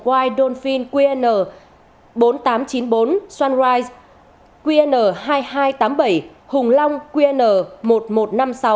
wide donfin qn bốn nghìn tám trăm chín mươi bốn sunrise qn hai nghìn hai trăm tám mươi bảy hùng long qn một nghìn một trăm năm mươi sáu